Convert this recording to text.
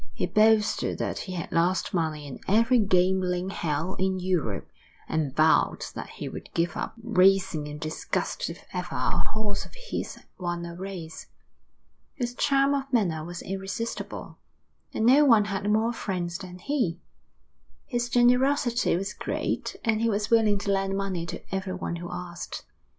He boasted that he had lost money in every gambling hell in Europe, and vowed that he would give up racing in disgust if ever a horse of his won a race. His charm of manner was irresistible, and no one had more friends than he. His generosity was great, and he was willing to lend money to everyone who asked.